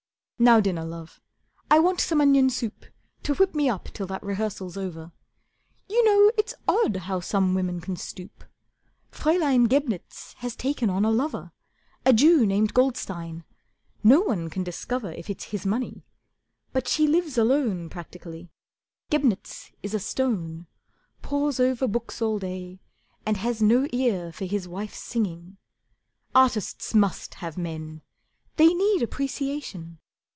Now dinner, Love. I want some onion soup To whip me up till that rehearsal's over. You know it's odd how some women can stoop! Fraeulein Gebnitz has taken on a lover, A Jew named Goldstein. No one can discover If it's his money. But she lives alone Practically. Gebnitz is a stone, Pores over books all day, and has no ear For his wife's singing. Artists must have men; They need appreciation.